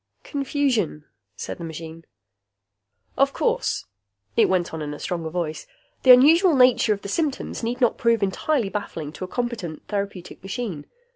"Confusion," said the machine. "Of course," it went on in a stronger voice, "the unusual nature of the symptoms need not prove entirely baffling to a competent therapeutic machine.